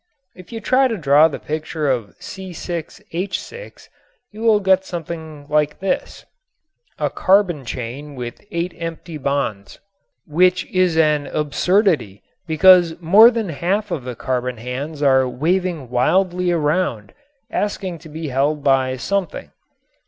If you try to draw the picture of C_H_ you will get something like this: |||||| C C C C C C |||||| H H H H H H which is an absurdity because more than half of the carbon hands are waving wildly around asking to be held by something.